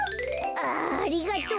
あありがとう！